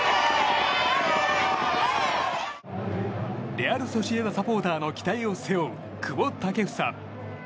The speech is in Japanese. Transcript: レアル・ソシエダサポーターの期待を背負う、久保建英。